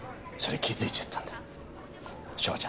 それ気づいちゃったんだ翔